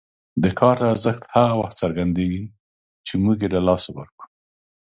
د کار ارزښت هغه وخت څرګندېږي چې موږ یې له لاسه ورکړو.